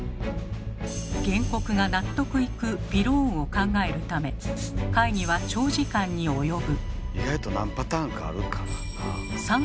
原告が納得いくびろーんを考えるため会議は長時間に及ぶ。